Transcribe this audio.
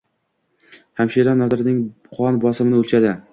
Hamshira Nodirning qon bosimini o‘lchadi.